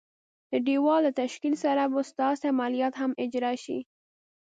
د دېوال له تشکیل سره به ستاسي عملیات هم اجرا شي.